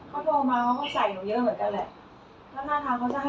เขาโทรมาเขาเขาใส่หนูเยอะเหมือนกันแหละแล้วหน้าทางเขาจะให้หนูยอมให้